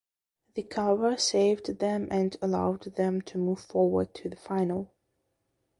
The cover saved them and allowed them to move forward to the final.